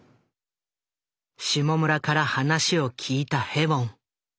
下村から話を聞いたヘウォン。